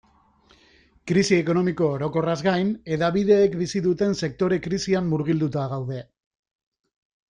Krisi ekonomiko orokorraz gain, hedabideek bizi duten sektore-krisian murgilduta gaude.